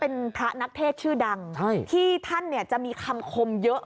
เป็นพระนักเทศชื่อดังที่ท่านเนี่ยจะมีคำคมเยอะ